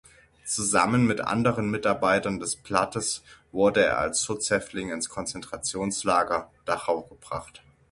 Zusammen mit anderen Mitarbeitern des Blattes wurde er als Schutzhäftling ins Konzentrationslager Dachau gebracht.